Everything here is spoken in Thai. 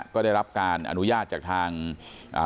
ก็ได้รับการอนุญาตจากทางอ่า